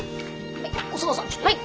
はい！